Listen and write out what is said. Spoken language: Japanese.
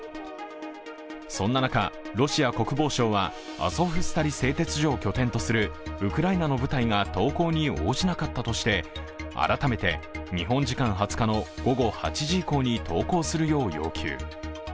そんな中、ロシア国防省はアゾフスタリ製鉄所を拠点とするウクライナの部隊が投降に応じなかったとして改めて日本時間２０日の午後８時以降に投降するよう要求。